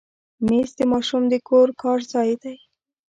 مېز د ماشوم د کور کار ځای دی.